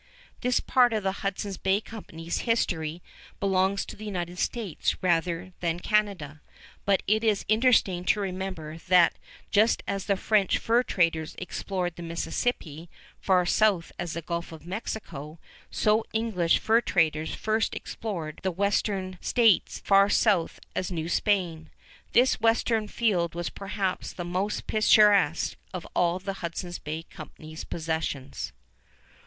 This part of the Hudson's Bay Company's history belongs to the United States rather than Canada, but it is interesting to remember that just as the French fur traders explored the Mississippi far south as the Gulf of Mexico, so English fur traders first explored the western states far south as New Spain. This western field was perhaps the most picturesque of all the Hudson's Bay Company's possessions.